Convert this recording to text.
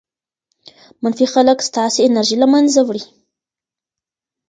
منفي خلک ستاسې انرژي له منځه وړي.